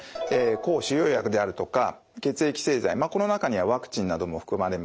抗腫瘍薬であるとか血液製剤この中にはワクチンなども含まれます。